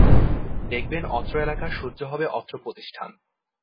দেখবেন অত্র এলাকার সূর্য হবে অত্র প্রতিষ্ঠান।